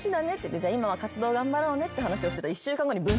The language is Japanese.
じゃあ今は活動頑張ろうねって話をしてた。